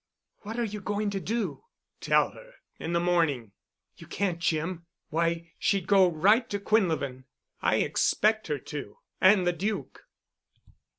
"What are you going to do?" "Tell her—in the morning." "You can't, Jim. Why, she'd go right to Quinlevin." "I expect her to—and the Duke."